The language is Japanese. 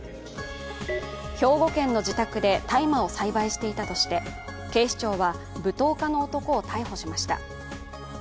兵庫県の自宅で大麻を栽培していたとして、警視庁は、舞踏家の男を逮捕しました。